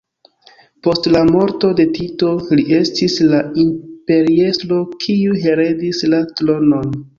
Post la morto de Tito li estis la imperiestro kiu heredis la tronon.